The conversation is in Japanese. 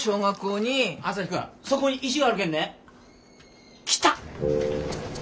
・朝陽君そこに石があるけんね。来た。